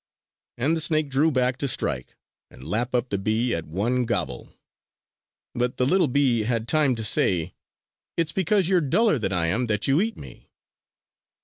And the snake drew back to strike, and lap up the bee at one gobble. But the little bee had time to say: "It's because you're duller than I am that you eat me!"